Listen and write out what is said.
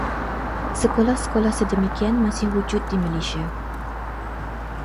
Sekolah-sekolah sedemikian masih wujud di Malaysia.